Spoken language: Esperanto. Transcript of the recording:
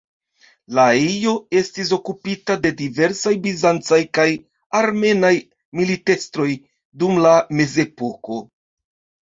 La ejo estis okupita de diversaj bizancaj kaj armenaj militestroj dum la Mezepoko.